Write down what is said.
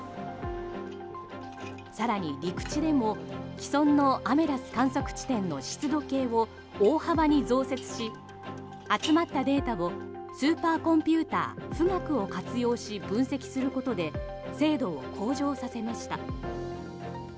更に陸地でも既存のアメダス観測地点の湿度計を大幅に増設し、集まったデータをスーパーコンピューター「富岳」を活用し分析することで精度を向上させました。